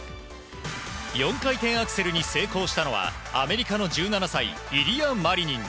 ４回転アクセルに成功したのはアメリカの１７歳イリア・マリニン。